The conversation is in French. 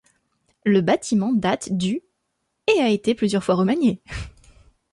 Le bâtiment date du et a été plusieurs fois remanié.